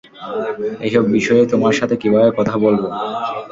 এসব বিষয়ে তোমার সাথে কীভাবে কথা বলবো।